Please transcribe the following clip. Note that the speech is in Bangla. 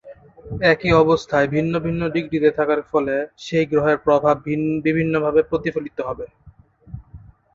একই অবস্থায় ভিন্ন ভিন্ন ডিগ্রিতে থাকার ফলে সেই গ্রহের প্রভাব বিভিন্নভাবে প্রতিফলিত হবে।